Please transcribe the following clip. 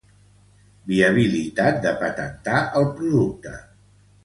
Viabilitat de patentar el producte.